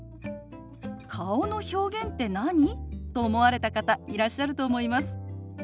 「顔の表現って何？」と思われた方いらっしゃると思います。